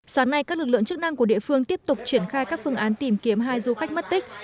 sáng nay các lực lượng chức năng của địa phương tiếp tục triển khai các phương án tìm kiếm hai du khách mất tích